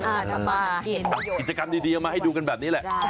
เอามากิจกรรมดีเอามาให้ดูกันแบบนี้แหละ